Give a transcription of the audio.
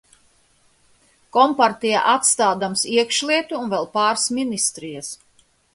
Kompartijai atstādams iekšlietu un vēl pārs ministrijas.